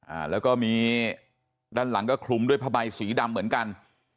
อ่าแล้วก็มีด้านหลังก็คลุมด้วยผ้าใบสีดำเหมือนกัน